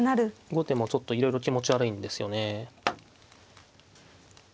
後手もちょっといろいろ気持ち悪いんですよね。